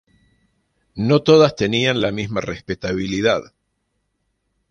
No todas tenían la misma respetabilidad.